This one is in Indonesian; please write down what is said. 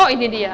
oh ini dia